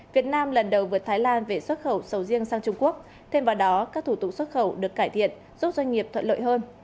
việt nam lần đầu vượt thái lan về xuất khẩu sầu riêng sang trung quốc thêm vào đó các thủ tục xuất khẩu được cải thiện giúp doanh nghiệp thuận lợi hơn